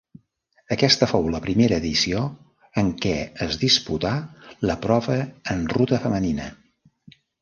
Aquesta fou la primera edició en què es disputà la prova en ruta femenina.